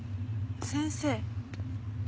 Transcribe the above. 先生？